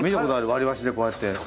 割り箸でこうやって。